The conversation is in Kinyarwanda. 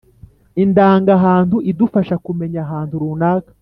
indangahantu idufasha kumenya ahantu runaka